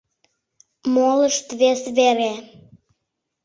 Молышт — вес вере.